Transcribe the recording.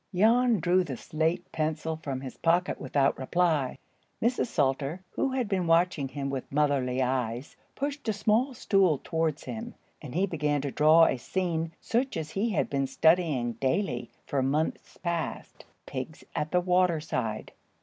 ] Jan drew the slate pencil from his pocket without reply. Mrs. Salter, who had been watching him with motherly eyes, pushed a small stool towards him, and he began to draw a scene such as he had been studying daily for months past,—pigs at the water side.